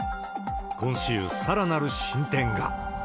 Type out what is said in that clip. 今週、さらなる進展が。